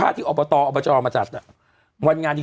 ผ้าที่อบวะตออบวะจอมาจัดอ่ะวันงานที่